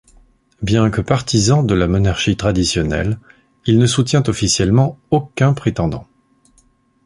Bien que partisan de la monarchie traditionnelle, il ne soutient officiellement aucun prétendant.